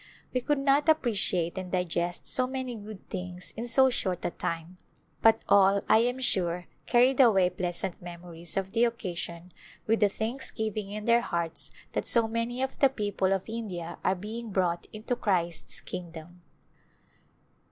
We could not appreciate and digest so many good things in so short a time, but all, I am sure, carried away pleasant memories of the occasion, with a thanksgiving In their hearts that so many of the people of India are being brought Into Christ's kingdom.